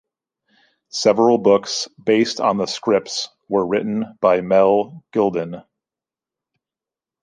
Several books based on the scripts were written by Mel Gilden.